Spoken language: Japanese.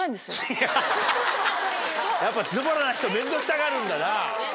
やっぱズボラな人面倒くさがるんだな。